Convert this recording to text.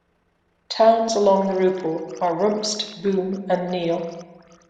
Towns along the Rupel are Rumst, Boom and Niel.